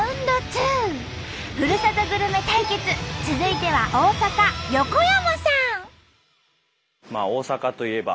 続いては大阪横山さん。